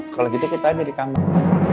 kalau gitu kita jadi kamar